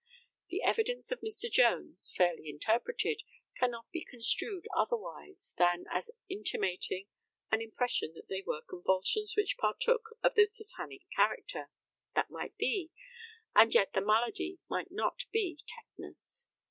The evidence of Mr. Jones, fairly interpreted, cannot be construed otherwise than as intimating an impression that they were convulsions which partook of the tetanic character. That might be, and yet the malady might not be tetanus.